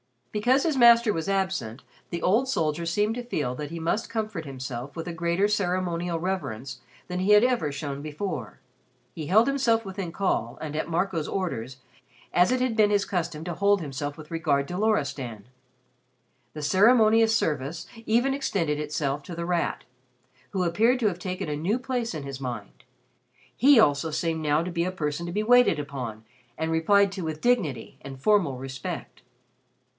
Because his master was absent, the old soldier seemed to feel that he must comfort himself with a greater ceremonial reverance than he had ever shown before. He held himself within call, and at Marco's orders, as it had been his custom to hold himself with regard to Loristan. The ceremonious service even extended itself to The Rat, who appeared to have taken a new place in his mind. He also seemed now to be a person to be waited upon and replied to with dignity and formal respect.